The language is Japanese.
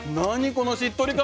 このしっとり感。